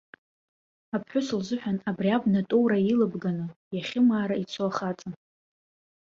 Аԥҳәыс лзыҳәан абри абна тоура илыбганы иахьымаара ицо ахаҵа.